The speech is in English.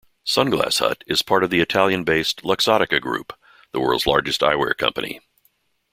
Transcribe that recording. Sunglass Hut is part of the Italian-based Luxottica Group, the world's largest eyewear company.